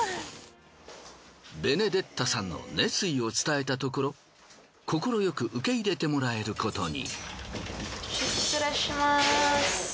ベネデッタさんの熱意を伝えたところ快く受け入れてもらえることに。